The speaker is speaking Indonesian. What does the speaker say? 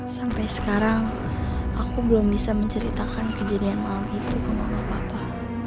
sampai sekarang aku belum bisa menceritakan kejadian malam itu ke mama papa